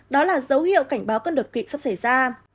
đó là dấu hiệu cảnh báo cơn đột kích sắp xảy ra